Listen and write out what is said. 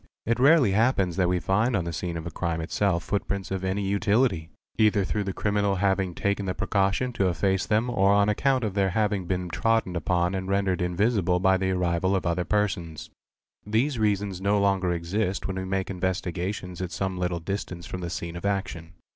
It rarely happens that we find on the scene of the crime itsell footprints of any utility, either through the criminal having taken the precaution to efface them or an account of their having been trodden upot and rendered invisible by the arrival of other persons. : These reasons no longer exist when we make investigations at som little distance from the scene of action.